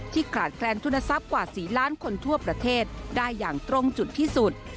ขาดแคลนทุนทรัพย์กว่า๔ล้านคนทั่วประเทศได้อย่างตรงจุดที่สุด